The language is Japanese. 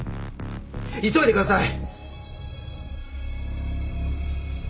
急いでください！